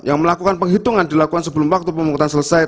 yang melakukan penghitungan dilakukan sebelum waktu pemungutan selesai